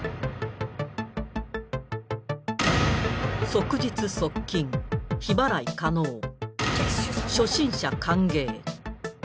「即日即金日払い可能」「初心者歓迎！」